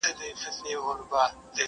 نوي یې راوړي تر اټکه پیغامونه دي!!